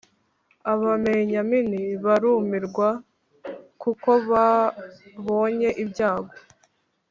Ababenyamini barumirwa kuko babonye ibyago